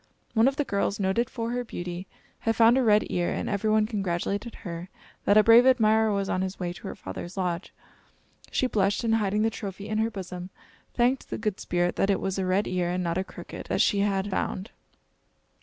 One of the girls, noted for her beauty, had found a red ear, and every one congratulated her that a brave admirer was on his way to her father's lodge. She blushed, and hiding the trophy in her bosom, thanked the Good Spirit that it was a red ear, and not a crooked, that she had found.